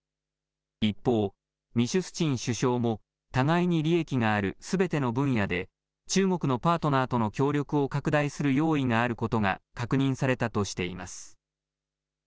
一方、ミシュスチン首相も互いに利益があるすべての分野で中国のパートナーとの協力を拡大する用意があることが確認されたとしています。